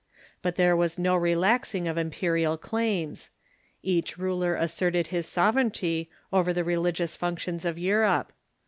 But there was no relaxing of imperial claims. Each ruler asserted his sovereignty over the religious functions of Europe.